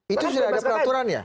itu sudah ada peraturan ya